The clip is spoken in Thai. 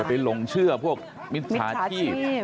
อย่าไปลงเชื่อพวกมิตรฐาชีพ